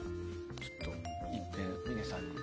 ちょっといっぺん峰さんに。